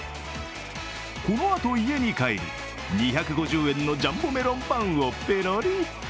このあと家に帰り、２５０円のジャンボメロンパンをぺろり。